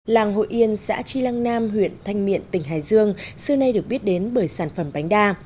làng hội yên xã tri lăng nam huyện thanh miện tỉnh hải dương xưa nay được biết đến bởi sản phẩm bánh đa